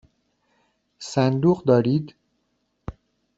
صندوق دارید؟